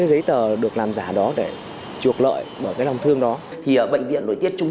cái giấy tờ được làm giả đó để trục lợi bởi cái lòng thương đó thì bệnh viện nội tiết trung